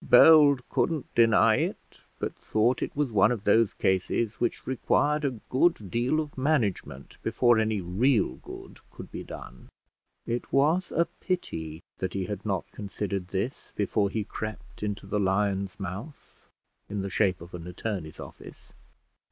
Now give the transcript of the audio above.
Bold couldn't deny it, but thought it was one of those cases which required a good deal of management before any real good could be done. It was a pity that he had not considered this before he crept into the lion's mouth, in the shape of an attorney's office.